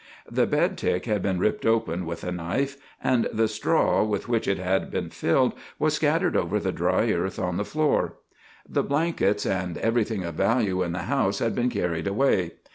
The bedtick had been ripped open with a knife, and the straw with which it had been filled was scattered over the dry earth on the floor. The blankets and everything of value in the house had been carried away.